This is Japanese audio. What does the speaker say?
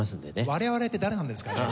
我々って誰なんですかね？